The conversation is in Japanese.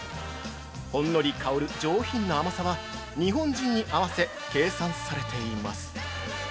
ほんのり香る上品な甘さは日本人に合わせ計算されています。